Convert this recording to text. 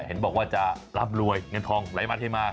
เห็นบอกว่าจะร่ำรวยเงินทองไหลมาเทมา